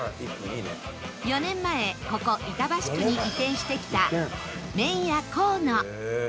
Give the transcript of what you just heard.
４年前ここ板橋区に移転してきた麺や河野